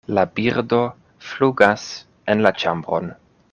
La birdo flugas en la ĉambron (